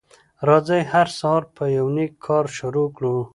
راځی هر سهار په یو نیک کار شروع کړو